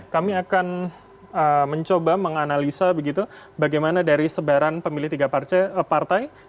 kami akan mencoba menganalisa begitu bagaimana dari sebaran pemilih tiga partai